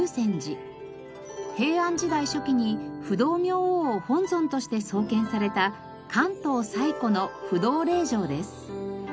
平安時代初期に不動明王を本尊として創建された関東最古の不動霊場です。